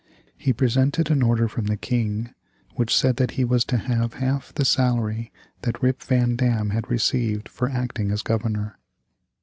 He presented an order from the King which said that he was to have half the salary that Rip Van Dam had received for acting as Governor.